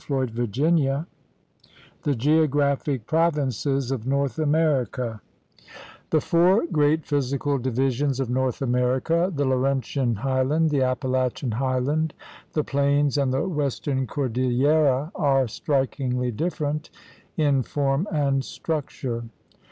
* CHAPTER III THE GEOGRAPHIC PROVINCES OF NORTH AMERICA The four great physical divisions of North Amer ica — the Laurentian highland, the Appalachian highland, the plains, and the western cordillera — are strikingly different in form and structure.